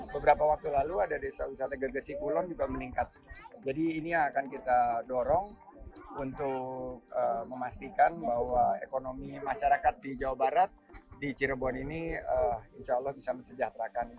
beberapa waktu lalu ada desa wisata gegesi kulon juga meningkat jadi ini akan kita dorong untuk memastikan bahwa ekonomi masyarakat di jawa barat di cirebon ini insya allah bisa mensejahterakan